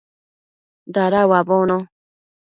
Dada uabono